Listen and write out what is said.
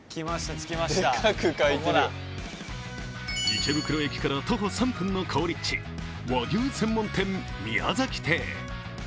池袋駅から徒歩３分の好立地、和牛専門店、宮崎亭。